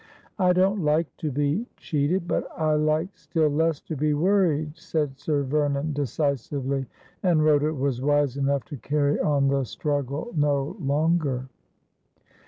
' I don't like to be cheated, but I like still less to be worried,' said Sir Vernon decisively ; and Rhoda was wise enough to carry on the struggle no longer.